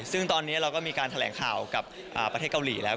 ซึ่งตอนนี้เราก็มีการแถลงข่าวกับประเทศเกาหลีแล้ว